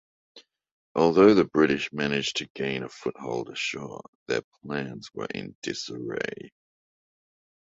Although the British managed to gain a foothold ashore, their plans were in disarray.